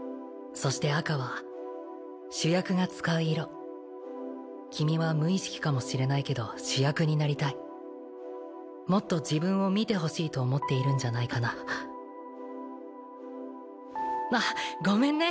そして赤は主役が使う色君は無意識かもしれないけど主役になりたいもっと自分を見てほしいと思っているんじゃないかなあっごめんね